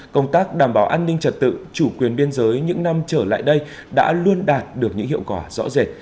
công tác đảm bảo an ninh trật tự chủ quyền biên giới những năm trở lại đây đã luôn đạt được những hiệu quả rõ rệt